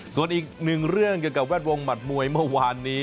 ส่วนอีกหนึ่งเรื่องเกี่ยวกับแวดวงหมัดมวยเมื่อวานนี้